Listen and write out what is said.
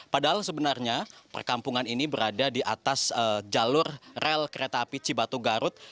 padahal sebenarnya perkampungan ini berada di atas jalur rel kereta api cibatu garut